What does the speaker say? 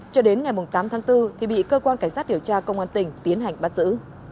cho đến ngày tám tháng bốn thì bị cơ quan cảnh sát điều tra công an tỉnh tiến hành bắt giữ